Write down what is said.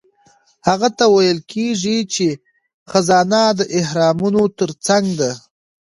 هغه ته ویل کیږي چې خزانه د اهرامونو ترڅنګ ده.